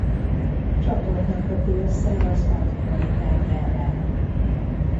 Csatorna köti össze az Adriai-tengerrel.